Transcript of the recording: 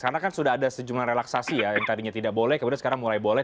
karena kan sudah ada sejumlah relaksasi ya yang tadinya tidak boleh kemudian sekarang mulai boleh